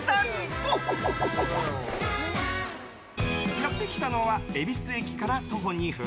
やってきたのは恵比寿駅から徒歩２分＃